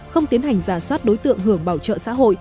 không tiến hành giả soát đối tượng hưởng bảo trợ xã hội